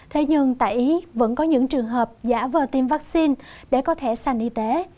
thế nhưng tại ý vẫn có những trường hợp giả vờ tiêm vaccine để có thể sành y tế